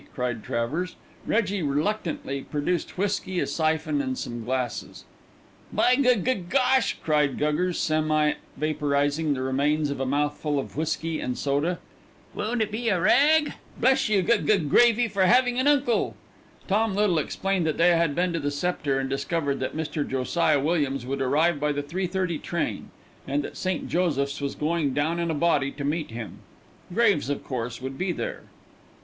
cried Travers. Reggie reluctantly produced whisky, a syphon, and some glasses. "By gug gug gosh!" cried Guggers, semi vapourising the remains of a mouthful of whisky and soda, "won't it be a rag! Bless you, Gug Gug Gravy for having an uncle." Tom Little explained that they had been to the Sceptre and discovered that Mr. Josiah Williams would arrive by the 3.3 train, and that St. Joseph's was going down in a body to meet him. Graves, of course, would be there.